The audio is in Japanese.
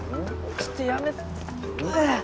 ちょっとやめてあぁ！